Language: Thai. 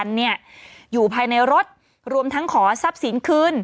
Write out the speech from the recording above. ขณะนี้ที่มีการเจรจาขอเลิกรากันอยู่ภายในรถรวมทั้งขอทรัพย์สินคืน